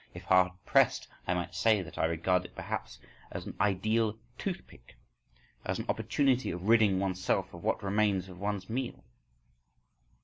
If hard pressed, I might say that I regard it perhaps as an ideal toothpick, as an opportunity of ridding one's self of what remains of one's meal.